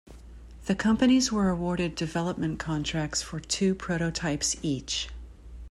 The companies were awarded development contracts for two prototypes each.